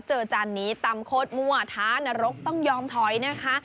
จานนี้ตำโคตรมั่วท้านรกต้องยอมถอยนะคะ